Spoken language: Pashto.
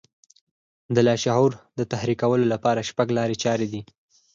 د لاشعور د تحريکولو لپاره شپږ لارې چارې دي.